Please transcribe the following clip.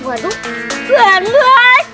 aduh aduh aduh